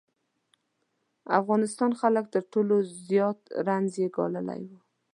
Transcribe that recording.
افغانستان خلک تر ټولو زیات رنځ یې ګاللی و.